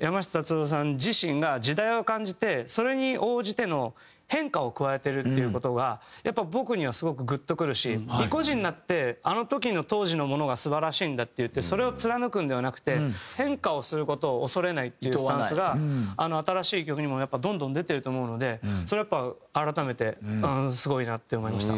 山下達郎さん自身が時代を感じてそれに応じての変化を加えてるっていう事がやっぱり僕にはすごくグッとくるし意固地になってあの時の当時のものが素晴らしいんだって言ってそれを貫くんではなくて変化をする事を恐れないっていうスタンスが新しい曲にもやっぱりどんどん出てると思うのでそれをやっぱり改めてすごいなって思いました。